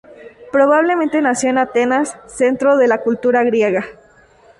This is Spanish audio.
Probablemente nació en Atenas, centro de la cultura griega.